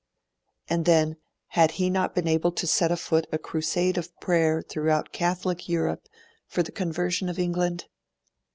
And then, had he not been able to set afoot a Crusade of Prayer throughout Catholic Europe for the conversion of England?